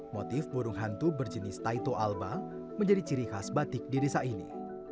motif burung hantu berjenis taito alba menjadi ciri khas batik di desa ini